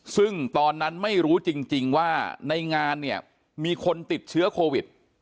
ซึ่งตอนนั้นไม่รู้จริงว่าในงานเนี่ยมีคนติดเชื้อโควิด